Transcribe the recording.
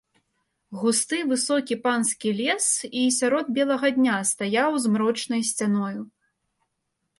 Густы, высокі панскі лес і сярод белага дня стаяў змрочнай сцяною.